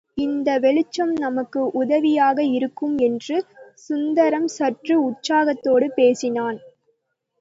இந்த வெளிச்சம் நமக்கு உதவியாக இருக்கும் என்று சுந்தரம் சற்று உற்சாகத்தோடு பேசினான்.